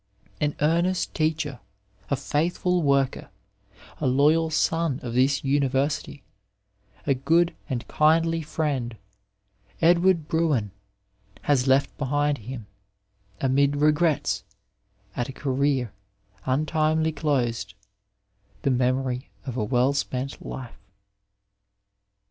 An earnest teacher, a faithful worker, a loyal son of this University, a good and kindly friend, Edward Bruen has left behind him, amid regrets at a career untimely closed, the memory of a well spent life.